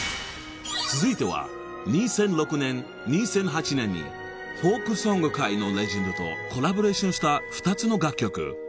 ［続いては２００６年２００８年にフォークソング界のレジェンドとコラボレーションした２つの楽曲］